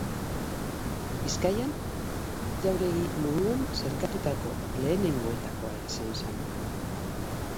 Bizkaian jauregi moduan sailkatutako lehenengoetakoa izan zen.